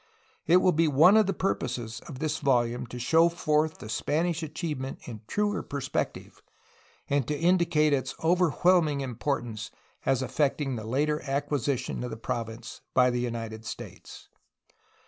It will be one of the purposes of this volume to show forth the Spanish achievement in truer perspective and to indicate its overwhelming importance as affecting the later acquisition of the province by the United States.